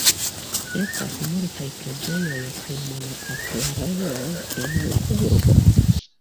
Estas multaj preĝejoj kaj monaasterejoj en la urbo.